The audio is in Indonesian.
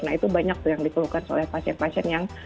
nah itu banyak tuh yang dikeluhkan oleh pasien pasien yang